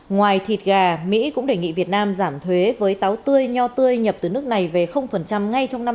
ngoài thịt gà mỹ cũng đề nghị việt nam giảm thuế với táo tươi nho tươi nhập từ nước này về ngay trong năm hai nghìn hai mươi